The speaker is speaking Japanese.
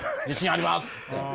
自信ありますって。